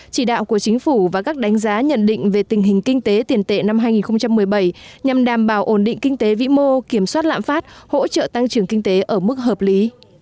chỉ đạo của chính phủ và các đánh giá nhận định về tình hình kinh tế tiền tệ năm hai nghìn một mươi bảy nhằm đảm bảo ổn định kinh tế vĩ mô kiểm soát lãm phát hỗ trợ tăng trưởng kinh tế ở mức hợp lý